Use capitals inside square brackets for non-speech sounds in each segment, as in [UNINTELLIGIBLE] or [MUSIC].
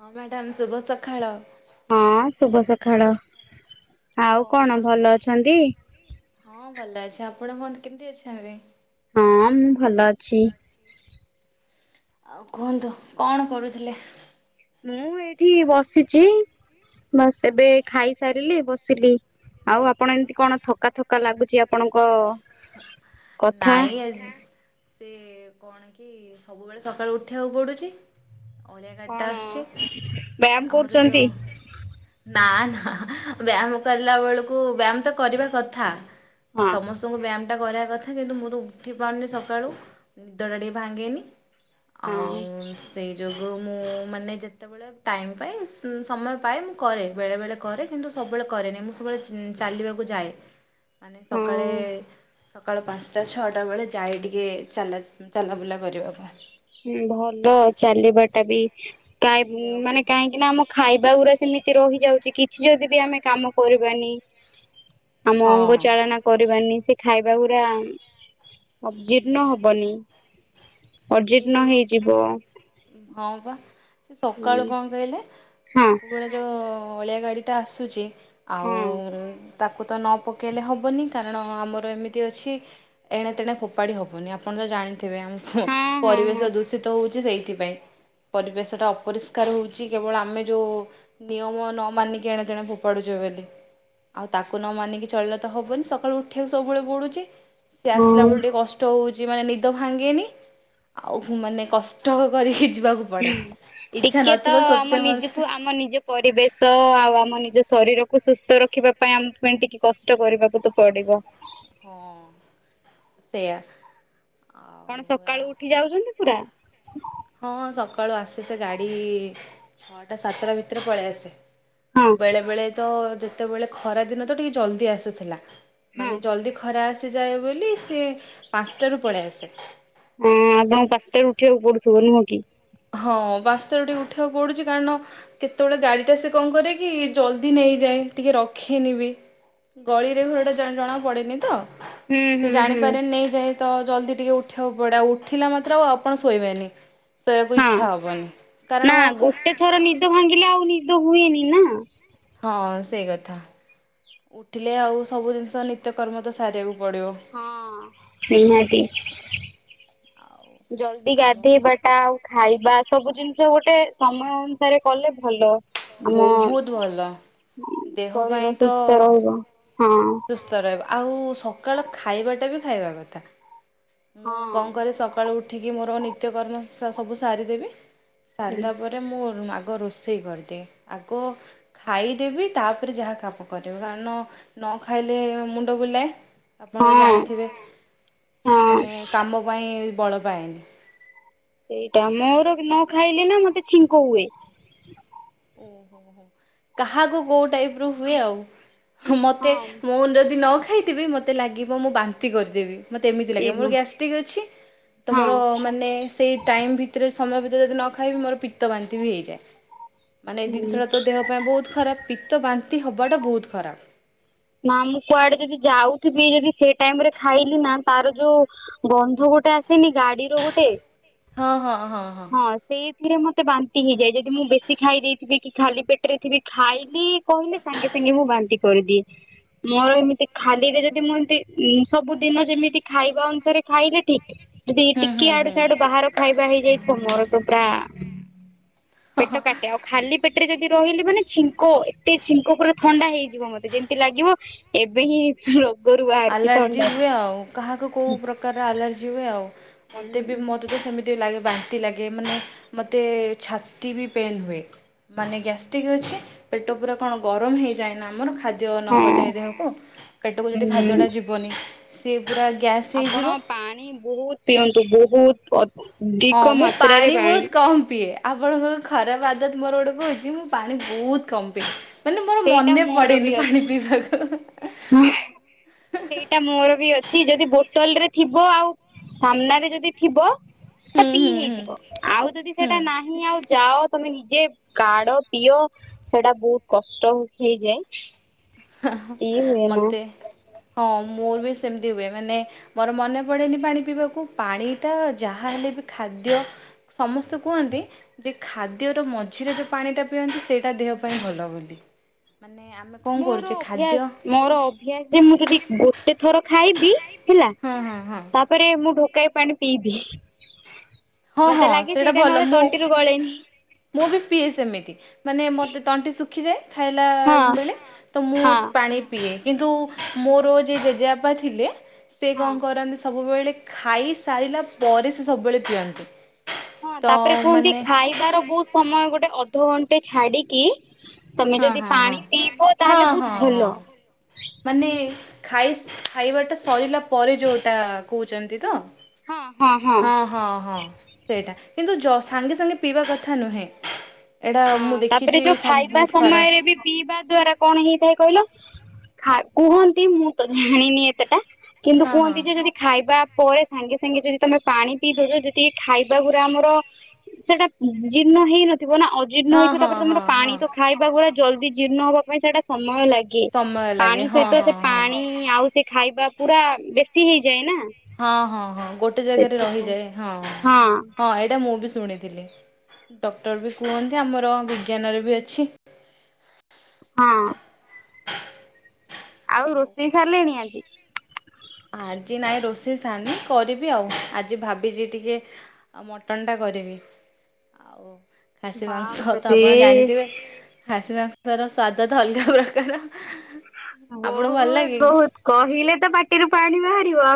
ହଁ ମ୍ୟାଡାମ ଶୁଭ ସକାଳ। ହଁ ଶୁଭ ସଖାଳ। [UNINTELLIGIBLE] ହଁ ଭଲ ଅଛି ଆପଣ କଣ କେମିତି ଅଛନ୍ତି? ହଁ ମୁଁ ଭଲ ଅଛି। ଆଉ କୁହନ୍ତୁ କଣ କରୁଥିଲେ? ମୁଁ ଏଇଠି ବସିଛି ବାସ ଏବେ ଖାଇସାରିଲି ବସିଲି। ଆଉ ଆପଣ ଏମିତି କଣ ଥକା ଥକା ଲାଗୁଛି ଆପଣଙ୍କ। କଥା ନାଇଁ। ସେ କଣ କି ସବୁବେଳେ ସକାଳେୁ ଉଠିବାକୁ ପଡୁଛି। ଅଳିଆ ଗାଡି ଟା କଣ ଆସୁଛି ବ୍ୟାୟାମ ଆମର ଯୋଉ, କରୁଛନ୍ତି ନା ନା। ହାଁ ହାଁ ହବ୍ୟାୟାମ କରିଲା ବେଳକୁ ବ୍ୟାୟାମ ତ କରିବା କଥା। ହଁ। ସମସ୍ତଙ୍କୁ ବ୍ୟାୟାମ ଟା କରିବା କଥା କିନ୍ତୁ ମୁଁ ତ ଉଠି ପାରୁନି ସକାଳୁ ନିଦ ଟା ଟିକେ ଭାଙ୍ଗେନି। ଆଉଁ ହଁ ସେଇ ଯୋଗୁଁ ମୁଁ ମାନେ ଯେତେ ବେଳେ ଟାଇମ ପାଏ ସମୟ ପାଏ ମୁଁ କରେ ବେଳେ ବେଳେ କରେ କିନ୍ତୁ ସବୁବେଳେ କରେନି ମୁଁ ସବୁବେଳେ ଉଁ ଚାଲିବାକୁ ଯାଏ, ମାନେ ସକାଳେ। ହଁ ସକାଳ ପାଞ୍ଚଟା ଛଅଟା ବେଳେ ଯାଏ ଟିକେ ଚାଲାବୁଲା କରିବାକୁ। ହୁଁ ଭଲ ଚାଲିବା ଟା ବି କାଇ ମ ଦେହ ମାନେ ପାଇଁ କାହିଁକି ନା ଆମ ଖାଇବା ଗୁରା। ସେମିତି ରହିଯାଉଛି କିଛି ଯଦି ବି ଆମେ କାମ କରିବାନି। ଆମ ଅଙ୍ଗ ହଁ ଚଳେନା କରିବାନି ସେ ଖାଇବା ଗୁରା। ଅ ଜୀର୍ଣ୍ଣ ସେଇୟା ହବନି। ଇଏ ଅଜୀର୍ଣ୍ଣ ହେଇଯିବ ହଁ ବା ସେ ହୁଁ ସକାଳୁ କଣ କହିଲେ। ହଁ ସବୁବେଳେ ଯୋଉ ଅଳିଆ ଗାଡି ଟା ଆସୁଛି ହଁ ଆଉ। ତାକୁ ତ ନ ପକେଇଲେ ହବନି କାରଣ ଆମର ଏମିତି ଅଛି ଏଣେ ତେଣେ ଫୋପାଡ଼ି ହବନି ଆପଣ। ତ ଜାଣିଥିବେ ଆମ ହଁ ହଁ ପରିବେଶ ଦୂଷିତ ହଉଛି ସେଇଥିପାଇଁ। ପରିବେଶ ଟା ଅପରିଷ୍କାର ହଉଛି କେବଳ ଆମେ ଯୋଉ ନିୟମ ନ ମାନିକି ଏଣେ ତଣେ ଫୋପାଡୁଛେ। ଛେ ବେଲି ଆଉ ତାକୁ ନ ମାନିକି ଚଳିଲେ ତ ହବନି ସକାଳୁ ଉଠିବାକୁ ସବୁବେଳେ ପଡୁଛି। ସେ ଆସିଲା ହଁ। ବେଳ ଟିକେ କଷ୍ଟ ହଉଚି ମାନେ ନିଦ ଭାଙ୍ଗେନି। ଆଉ ମାନେ କଷ୍ଟ କରିକି। ଯିବାକୁ ପଡ଼େ ଇଚ୍ଛା ଟିକେ ତ ନଥିବ ଆମ ସତ୍ୟ ମତେ ନିଜକୁ ଆମ ନିଜ ପରିବେଶ ଆଉ ଆମ ନିଜ ଶରୀରକୁ ସୁସ୍ଥ ରଖିବା ପାଇଁ ଆମ ପାଇଁ ଟିକେ କଷ୍ଟ କରିବାକୁ ତ ପଡିବ। ହଁ ସେଇୟା। ଆପଣ ସକାଳୁ ଉଠି ଯାଉଛନ୍ତି ପୁରା। ହଁ ସକାଳୁ ଆସେ ସେ ଗାଡି ଛଅଟା ସାତଟା ଭିତରେ ପଳେଇ ଆସେ ହଁ ଆଉ ବେଳେ ବେଳେ ତ ଯେତେବେଳେ ଖରା ଦିନ ତ ଟିକେ ଜଲଦି ଆସୁଥିଲା। ହଁ ମାନେ ଜଲ୍ଦି ଖରା ଆସିଯାଏ ବୋଲି ସିଏ ପାଞ୍ଚଟାରୁ ପଳେଇ ଆସେ। ହଁ ଆପଣଙ୍କୁ ପାଞ୍ଚଟାରୁ ଉଠିବାକୁ ପଡୁଥିବ ନୁହଁ କି? ହଁ ପାଞ୍ଚଟା ରେ ଟିକେ ଉଠିବାକୁ ପଡୁଛି କାରଣ କେତେବେଳେ ଗାଡି ଟା ସେ କଣ କରେ କି ଜଲଦି ନେଇଯାଏ। ଯାଏ ଟିକେ ରଖେନି ବି ଗଳିରେ ଘର ଟା ଜ ଜଣା ପଡେନି ତ ହୁଁ ସେ ହୁଁ ହୁଁ ଜାଣିପାରେନି ନେଇ ଯାଏ ତ ଜଲ୍ଦି ଟିକେ ଉଠିବାକୁ ପଡେ ଆଉ ଉଠିଲା ମାତ୍ରେ ଆଉ ଆପଣ ଶୋଇବେନି। ଶୋଇବାକୁ ହଁ ଇଚ୍ଛା ହବନି କାରଣ ନା ଗୋଟେ ଥର ନିଦ ଭାଙ୍ଗିଲେ ଆଉ ନିଦ ହୁଏନି ନା। ହଁ ସେଇ କଥା ଉଠିଲେ ଆଉ ସବୁ ଜିନିଷ ନିତ୍ୟକର୍ମ ତ ସାରିବାକୁ। ପଡିବ ହଁ ନିହାତି। ଆଉ ଜଲଦି ଆମ ଗାଧେଇବା ଟା ଆଉ ଖାଇବା ସବୁ ଜିନିଷ ଗୋଟେ ସମୟ ଅନୁସାରେ କଲେ ଭଲ। ଆମ ବହୁତ ଭଲ ଦେହ ପାଇଁ ଶରୀର ତ ସୁସ୍ଥ ରହିବ ହଁ। ସୁସ୍ଥ ରହିବା ଆଉ ସକାଳ ଖାଇବାଟା ବି ଖାଇବା କଥା। ମୁଁ ହଁ। କଣ କରେ ସକାଳୁ ଉଠିକି ମୋର ନିତ୍ୟ କର୍ମ ସବୁ ସାରିଦେବି। ସାରିଲା ପରେ ମୋର ମୁ ଆ- ଆଗ ରୋଷେଇ କରିଦିଏ ଆଗ ଖାଇଦେବି ତାପରେ ଯାହା କାମ କରିବି କାରଣ। ନ ଖାଇଲେ ମୁଣ୍ଡ ବୁଲାଏ। ଆପଣ ତ ହଁ ଜାଣିଥିବେ ହଁ ମାନେ କାମ ପାଇଁ ବଳ ପାଏନି ସେଇଟା ମୋର ନ ଖାଇଲେ ନା ମତେ ଛିଙ୍କ ହୁଏ। ଓହୋ ହୋ କାହାକୁ କୋଉଟାଇପ ହୁଏ ଆଉ ମତେ ହଁ ମୁ ଯଦି ନ ଖାଇ ଖାଇଥିବି ମୋତେ ଲାଗିବ ମୁଁ ବାନ୍ତି କରିଦେବି ମତେ ଏମିତି ଏ ଲାଗେ ମୋର ମା ଗ୍ୟାସଟିକ ଅଛି ତ ହଁ ମୋର ମାନେ ସେଇ ଟାଇମ ଭିତରେ ସମୟ ଯଦି ନ ଖାଇବି ମୋର ପିତ୍ ବାନ୍ତି ବି ହେଇଯାଏ। ମାନେ ଏଇ ଜିନିଷ ହୁଁ। ଟା ତ ଦେହ ପାଇଁ ବହୁତ ଖରାପ ପିତ ବାନ୍ତି ହବାଟା ବହୁତ ଖରାପ। ନା ମୁଁ କୁଆଡେ ଯଦି ଯାଉଥିବି ଯଦି ସେ ଟାଇମ ରେ ଖାଇଲି ନା ତାର ଯୋଉ ଗନ୍ଧ ଗୋଟେ ସେନି ଗାଡିର ଗୋଟେ ହଁ ସେଇ ଥିରେ ମତେ ବାନ୍ତି ହେଇଯାଏ। ଯଦି ମୁଁ ବେଶୀ ଖାଇ ଦେଇେଇଥିବି କି ଖାଲି ପେଟରେ ଥିବି ଖାଇଲି କହିଲେ ସାଙ୍ଗେ ସାଙ୍ଗେ ମିୟୁ ବାନ୍ତି କରିଦିଏ। ମୋର ଏମିତି ଖାଲିରେ ଯଦି ମୁଁ ଏମିତି ସବୁ ଦିନ ଯେମିତି ଖାଇ ଅନୁସାରେ ଖାଇଲେ ଠିକ ଯଦି ହୁଁ ଟିକି ହୁଁ ଆଡୁ ସ ହୁଁ। ଆଡୁ ବାହାର ଖାଇବା ହେଇଯାଇ ମୋର ତ ପୁରା ହଁ ପେଟ ହଁ କାଟେ ଆଉ ଖାଲି ପେ ଟରେ ଯଦି ରହିଲି ମାନେ ଛିଙ୍କ ଏତେ ଛିଙ୍କ ପୁରା ଥଣ୍ଡା ହେଇଯିବ ମତେ ଯେମିତି ଲାଗିବ ଏବେ ହିଁ ରୋଗରୁ ବାହାରିଛି ଆଲର୍ଜି ଥଣ୍ଡାରୁ। ହୁଏ ଆଉ କାହାକୁ କୋଉ ପ୍ରକାରର ଆଲର୍ଜି ହୁଏ ଆଉ। ହୁଁ। ମତେ ବି ମତେ ତ ସେମିତି ଲାଗେ ବାନ୍ତି ଲାଗେ ମାନେ ମତେ ଛାତି ବି ପେନ୍ ହୁଏ ମାନେ ଗ୍ୟାଷ୍ଟ୍ରିକ ଅଛି, ପେଟ ପୁରା କଣ ଗରମ ହେଇଯାଏ ନା ଆମର ଖାଦ୍ ଖାଦ୍ୟ ହଁ ନଗଲେ ଦେହକୁ ପେଟକୁ ଯଦି ଉଁ ଖାଦ୍ୟଟା ଯିବନି ସିଏ ପୁରା ଗ୍ୟାସ୍ ଆପଣ ହେଇଯିବ ପାଣି ବହୁତ ପିଅନ୍ତୁ ବହୁତ ଅ ହଁ ମୁଁ ପାଣି ବହୁତ କମ୍ ପିଏ ଆପଣଙ୍କର ଖରାପ ଆ ଆଦତ ଗୋଟେ କହୁଛି ମୁ ପାଣି ବହୁତ୍ କମ୍ ପିଏ। ମାନେ ମୋର ସେଇଟା ମନେ ମୋର ବି ପଡେନି ପାଣି ଅଛି ପିଇବାକୁ ସେଇଟା ମୋର ବି ଅଛି ଯଦି ଗୋଟ। ରେ ଥିବ ଆଉ ସାମ୍ନ ାରେ ଯଦି ଥିବ ତ ହୁଁ ପିଇ ହୁଁ ହୁଁ ହେଇଯିବ ଆଉ ଯଦି ସେଟା ହୁଁ ନାହିଁ ଆଉ ଯାଅ ତମେ ନିଜେ କାଡ ପିଅ ସେଟା ବହୁତ କଷ୍ଟ ହେଇଯାଏ। ପିଇ ହୁଏ ନା। ମତେ ହଁ। ମୋର ବି ସେମିତି ହୁଏ ମାନେ ମୋର ମନେ ପଡେନି ପାଣି ପିଇବାକୁ ପାଣି ଟା ଯାହାହଲେ ବି ଖା ଦ୍ୟ ସମସ୍ତେ କୁହନ୍ତି ଯେ ଖାଦ୍ୟର ମଝିରେ ଯ ପାଣି ଟା ପିଅନ୍ତି ସେଇଟା ଦେହ ପାଇଁ ଭଲ ବୋଲି। ମାନେ ଆମେ କଣ କରୁ ମୋର ଅଭ୍ୟାସ ମୋର ଅଭ୍ୟାସ ଯେ ମୁଁ ଯଦି ଗୋଟେ ଥର ଖାଇବି ହେଲା ହଁ ହଁ ତାପରେ ମୁଁ ଢକାଇ ପାଣି ପିଇବି। ହଁ ହଁ ମତେ ଲାଗେ ସେଇଟା ଭଲ ନହେଲେ ମୁଁ ତଣ୍ଟିରୁ ଗଳେନି। ମୁଁ ବି ପିଏ ସେମିତି ମାନେ ମତେ ତଣ୍ଟି ସୁଖ- ଶୁଖିଯାଏ ଖାଇଲା ହଁ ବେଳେ ତ ମୁଁ ହଁ ପାଣି ପିଏ। କିନ୍ତୁ ମୋର ଯିଏ ଜେଜେବାପା ଥିଲେ ସେ ହଁ କଣ କରନ୍ତି ସବୁବେଳେ ଖାଇ ସାରିଲା ପରେ ସେ ସବୁବେଳେ ପିଅନ୍ତି। ହଁ ତ ତାପରେ କୁହନ୍ତି ମାନେ ଖାଇବାର ବହୁତ ସମୟ ଗୋଟେ ଅଧ ଘଣ୍ଟେ ଛାଡିକି ତମେ ହଁ ଯଦି ହଁ ହଁ ପାଣି ପିଇବ ହଁ ତାହେଲେ ବହୁତ ହଁ ଭଲ। ହଁ ମାନେ ଖାଇ ଖାଇବା ଟା ସରିଲା ପରେ ଯୋଉଟା କହୁଛନ୍ତି ତ। ହଁ ହଁ ହଁ ସେଇଟା କିନ୍ତୁ ଜ ସାଙ୍ଗେ ସାଙ୍ଗେ ପିଇବା କଥା ନୁହେଁ ଏଇଟା ହଁ ମୁଁ ତାପରେ ଦେଖିଛି ଯୋଉ ସ ଖାଇବା ସମୟରେ ବି ପିଇବା ଦ୍ଵାରା କଣ ହେଇଥାଏ? କହିଲ କୁହନ୍ତି ମୁଁ ତ ଜାଣିନି ଏତେ ତା କିନ୍ତୁ ହଁ ହଁ କୁହନ୍ତି ଯେ ଯଦି ଖାଇବା ପରେ ସାଙ୍ଗେ ସାଙ୍ଗେ ଯଦି ତମେ ପାଣି ପିଇ ଦଉଛ ଯଦି ଖାଇବା ଗୁରା ଆମର ସେଟା ଜୀର୍ଣ ହେଇନଥିବ ନା ଜୀର୍ଣ୍ଣ ହଁ ହେଇଥିବ ହଁ ହଁ ହଁ। ସମୟ ଲାଗେ ସମୟ ଲାଗେ ପାଣି ହଁ ସହିତ ହଁ ସେ ହଁ ପାଣି ଆଉ ସେ ଖାଇବା ପୁରା ବେଶୀ ହେଇଯାଏ ନା ହଁ ହଁ ହଁ ଗୋଟେ ଜାଗାରେ ସେଥିପାଇଁ। ରହିଯାଏ ହଁ ହଁ ଏଇଟା ମୁଁ ବି ଶୁଣିଥିଲି ଡକ୍ଟର ବି କୁହନ୍ତି ଆମର ବିଜ୍ଞାନରେ ବି ଅଛି। ହଁ। ଆଉ ରୋଷେଇ ସାରିଲେଣି ଆଜି? ଆଜି ନାଇଁ ରୋଷେଇ ସାରନି କରିବି ଆଉ ଆଜି ଭାବିଛି ଟିକେ ମଟନ୍ ଟା କରିବି ଆଉ ଖାସୀ ମାଂସ ତ ବାପରେ ଆପଣ ଜାଣିଥିବେ ଖାସି ମାଂସର ସ୍ଵାଦ ତ ଅଲଗା ପ୍ରକାର ବହୁତ ବହୁତ କହିଲେ ତ ପା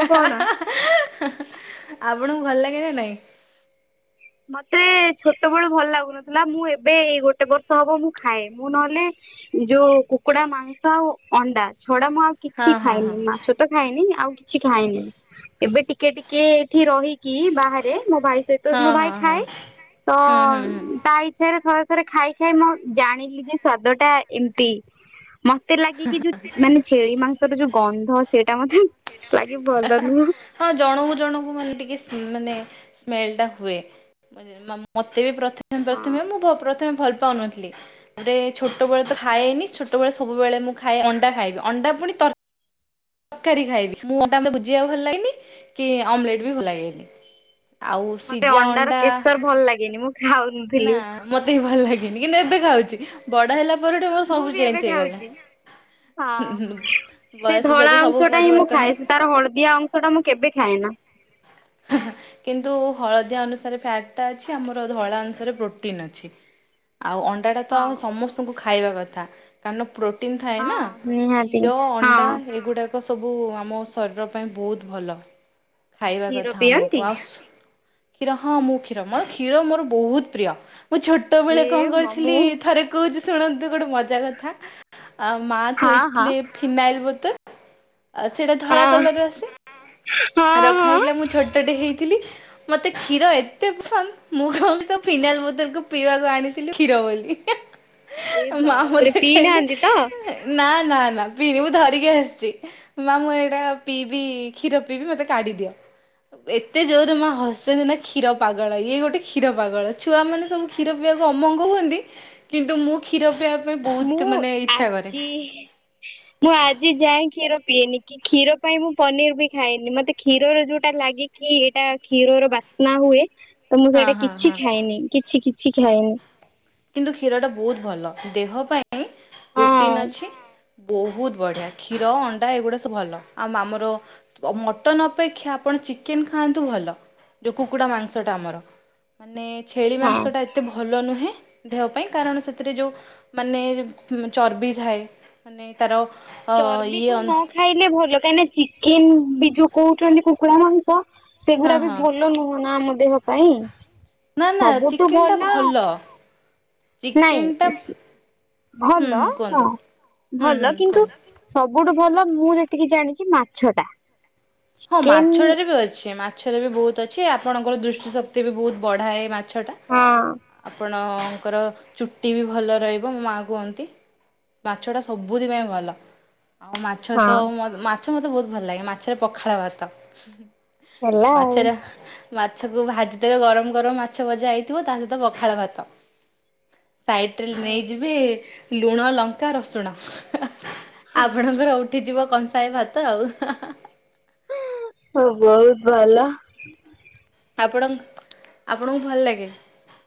ହା ହା ହା ହା ହା ଆପଣଙ୍କୁ ଭଲ ଲାଗେ ନା ନାଇଁ? ମତେ ଛୋଟ ବେଳୁ ଭଲ ଲାଗୁନଥିଲା ମୁଁ ଏବେ ଏଇ ଗୋଟେ ବର୍ଷ ହବ ମୁଁ ଖାଏ ମୁଁ ନହେଲେ ଯୋଉଁ କୁକୁଡା ମାଂସ ଆଉ ଅଣ୍ଡା। ଛଡା ମୁଁ ଆଉ କିଛି ହଁ ହଁ ଖାଇନି ହଁ ମାଛ ତ ଖାଇନି ଆଉ କିଛି ଖାଇନି ଏବେ ଟିକେ ଟିକେ ଏଇଠି ରହିକି ବାହାରେ ମୋ ଭାଇ ସହିତ ମୋ ଭାଇ ହଁ ହଁ ହଁ ଖାଏ ତ ହୁଁ ହୁଁ ହୁଁ। ତା ଇଛାରେ ଥରେ ରେ ଖାଇ ଖାଇ ମୁଁ ଜାଣିଲି ଯେ ସ୍ଵାଦ ଟା ଏମିତି ମତେ ଲାଗେ କି ଯୋଉଁ ମାନେ ଛେଳି ମାଂସର ଯୋଉଁ ଗନ୍ଧ ସେଇଟା ମତେ ଲାଗେ ଭଲ ନୁହଁ ହଁ ଜଣକୁ ଜଣକୁ ମାନେ ଟିକେ ସି ମାନେ ସ୍ମେଲ ଟା ହୁଏ ମତେ ବି ପ୍ରଥମେ ହଁ ପ୍ରଥମେ ମୁଁ ପ୍ରଥମେ ଭଲ ପାଉନଥିଲି ଛୋଟବେେଳେ ତ ଖାଏନି ଛୋଟବେଳେ ସବୁବେଳେ ମୁଁ ଖାଏ ଅଣ୍ଡା ଖାଇବି ଅଣ୍ଡା ତା ପୁଣି ତର ତରକାରୀ ଖାଇବି ମୁଁ ମ ଭୂଜିଆ ଭଲ ଲାଗେନି କି ଅମଲେଟ ବି ଭଲ ଲାଗେନି। ଆଉ ମତେ ସିଝା ଅଣ୍ଡାର ଅଣ୍ଡା କେଶର ଭଲ ଲାଗେନି ମୁଁ ନା ଖାଉନଥିଲି ମତେ ବି ଭଲ ଲାଗନି କିନ୍ତୁ ଏବେ ଖାଉଛି ବଡ଼ ହେଲା ମୋର ଏଠି ମୁଁ ସବୁ ବି ଏବେ ଚେଞ ହେଇଗଲା ଖାଉଛି ହଁ। ହ୍ନୁ ହ୍ନୁ। ସେ ଧଳା ଅଂଶ ଟା ହିଁ ମୁଁ ଖାଏ ସେ ତାର ହଳଦିଆ ଅଂଶ ଟା ମୁଁ କେବେ ଖାଏ ନା। କିନ୍ତୁ ହଳଦିଆ ଅନୁସାରେ ଫ୍ୟାଟ ଟା ଅଛି ଆମର ଧଳା ଅନୁସାରେ ପ୍ରୋଟିନ୍ ଅଛି। ଆଉ ଅଣ୍ଡାଟା ତ ହଁ ଆଉ ସମସ୍ତଙ୍କୁ ଖାଇବା କଥା କାରଣ ପ୍ରୋଟିନ୍ ଥାଏ ନା ହଁ ନିହାତି କ୍ଷୀର ଅଣ୍ଡା ହଁ ଏଗୁଡା ସବୁ ଆମ ଶରୀର ପାଇଁ ବହୁତ ଭଲ ଖାଇବା କ୍ଷୀର କଥା ଆମକୁ ପିଅନ୍ତି? ଆଉ କ୍ଷୀର ହଁ ମୁଁ କ୍ଷୀର ମ କ୍ଷୀର ମୋର ବହୁତ ପ୍ରିୟ ମୁଁ ହେ ଛୋଟବେଳେ କଣ କରିଥିଲି ମାମୁଁ ଥରେ କହୁଛି ଶୁଣ ଗୋଟେ ମଜା କଥା ଆ ମା ହଁ ହଁ ଥୋଇଥିଲେ ଫିନାଇଲ ବୋତଲ ଆ ସେଇଟା ଧଳା ହଁ କଲର ଆସେ ହଁ ରଖା ହଁ। ହେଇଥିଲା ମୁଁ ଛୋଟଟେ ହେଇଥିଲି ମତେ କ୍ଷୀର ଏତେ ପସନ୍ଦ ମୁଁ କଣ କଲି ଫିନାଇଲି ବୋତଲକୁୁ ପିଇବାକୁ ଆଣିଥିଲୁ କ୍ଷୀର ବୋଲି ଏ ମା ବାପରେ ମତେ ପିଇ କହିଲେ ନାହାନ୍ତି ତ ନା ନା ପିଇନି ମୁଁ ଧରିକି ଆସିଛି ମା ମୁଁ ଏଇଟା ପିଇବି କ୍ଷୀର ପିଇବି ମତେ କାଢିଦିଅ। ଏତେ ଜୋରରେ ମା ହସନ୍ତି ନା କ୍ଷୀର ପାଗଳ ଇଏ ଗୋଟେ କ୍ଷୀର ପାଗଳ ଛୁଆମାନେ ସବୁ କ୍ଷୀର ପିଇବାକୁ ଅମଙ୍ଗ ହୁଅନ୍ତି କିନ୍ତୁ ମୁଁ କ୍ଷୀର ପିଇବା ପାଇଁ ବହୁତ ମୁଁ ମାନେ ଇଚ୍ଛା କରେ ଆଜି ମୁଁ ଆଜି ଯାଏଁ କ୍ଷୀର ପିଏନି କି କ୍ଷୀର ପାଇଁ ମୁଁ ପନିର ବି ଖାଇନି ମତେ କ୍ଷୀର ଯୋଉଁଟା ଲାଗେ କି ଏଇଟା କ୍ଷୀର ବା ନା ହୁଏ ତ ମୁଁ ହଁ ସେଇଟା ହଁ କିଛି ହଁ। ଖାଏନି କିଛି କିଛି ଖାଏନି। କିନ୍ତୁ କ୍ଷୀର ଟା ବହୁତ ଭଲ ଦେହ ପାଇଁ ହଁ ପ୍ରୋଟିନ ଅଛି। ବହୁତ ବଢିଆ କ୍ଷୀର ଅଣ୍ଡା ଏଗୁଡା ସବୁ ଭଲ ଆଉ ଆମର ମଟନ ଅପେକ୍ଷା ଆପଣ ଚିକେନ ଖାନ୍ତୁ ଭଲ ଯଉ କୁକୁଡ଼ା ମାଂସଟା ଆମର ମାନେ ଛେଳି ହଁ। ମାଂସଟା ଏତେ ଭଲ ନୁହେଁ। ଦେହ ପାଇଁ କାରଣ ସେଥିରେ ଯଉଁ ମାନେ ଚର୍ବି ଥାଏ ମାନେ ତାର ଅ ଇଏ ଚର୍ବିକୁ ହଁ ନ ଖାଇଲେ ଭଲ କାହିଁକିନା ଚିକେନ ବି ଯୋଉ କହୁଛନ୍ତି କୁକୁଡ଼ା ମାଂସ ସେଗୁଡା ବି ହଁ ଭଲ ନୁହଁ ନା ଆମ ଦେହ ପାଇଁ। ନା ନା ସବୁଠୁ ଚିକେନଟା ଭଲ ଚିକେନଟା ନାଇଁ ହୁଁ ଭଲ ହୁଁ ହଁ କୁହନ୍ତୁ ହୁଁ ଭଲ ହୁଁ କିନ୍ତୁ କୁହନ୍ତୁ। ସବୁ ସବୁଠୁ ଭଲ ମୁଁ ଯେତିକି ଜାଣିଛି ମାଛ ଟା। ହଁ ଚିକେନ ମାଛ ଟାରେ ବି ଅଛି ମାଛରେ ବି ବହୁତ ଅଛି ଆପଣଙ୍କର ଦୃଷ୍ଟି ଶକ୍ତି ବି ବହୁତ ବଢାଏ ମାଛ ମାଛଟା ହଁ ଆପଣଙ୍କର ଚୁଟି ବି ଭଲ ରହିବ ମୋ ମାଆ କୁହନ୍ତି। ମାଛ ଟା ସବୁଥି ପାଇଁ ଭଲ। ଆଉ ମାଛ ହଁ ତ ମାଛ ମତେ ବହୁତ ଭଲ ଲାଗେ ମାଛରେ ପଖାଳ ଭାତ। ହେଲା ଆଉ। ମାଛର ମାଛକୁ ଭାଜିଦେବେ ଗରମ ଗରମ ମାଛ ଭଜା ହେଇଥିବ ତା ସହିତ ପଖାଳ ଭାତ। ଟାଇଟେଲ ନେଇଯିବେ ଲୁଣ ଲଙ୍କା ରସୁଣ। ହଃ ଆପଣଙ୍କର ଉଠିଯିବ କଂସାଏ ଭାତ ଆଉ ହାଃଅଁ ଆ। ହୁଁଉ ମୁଁ ବହୁତ ଭଲ ଆପଣଙ୍କ୍ ଆପଣଙ୍କୁ ଭଲ ଲାଗେ?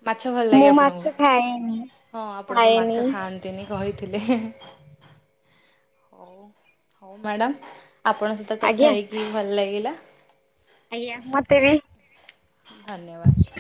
ମାଛ ଭଲ ଲାଗେ ମୁଁ ମାଛ ଆପଣଙ୍କୁ ଖାଏନି ହଁ ଆପଣ ପା ଖାଏନି ମାଛ ଖାଆନ୍ତିନି କହିଥିଲେ ହେଁ ହେଁ। ହଉ ହଉ ମ୍ୟାଡାମ ଆପଣଙ୍କ ସହିତ ଆଜ୍ଞା କଥା ହେଇକି ଭଲ ଲାଗି ଲା। ଆଜ୍ଞା ମତେ ବି ଧନ୍ୟବାଦ୍।